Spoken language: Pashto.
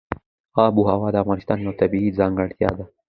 آب وهوا د افغانستان یوه طبیعي ځانګړتیا ده.